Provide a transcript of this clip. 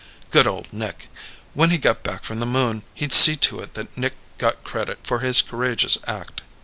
Good old Nick! When he got back from the Moon, he'd see to it that Nick got credit for his courageous act.